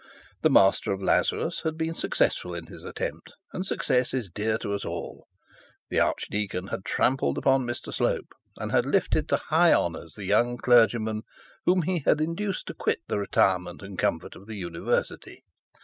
The Master of Lazarus had been successful in his attempt, and success is dear to us all. The archdeacon had trampled upon Mr Slope, and had lifted to high honours the young clergyman whom he had induced to quit the retirement and comfort of the university.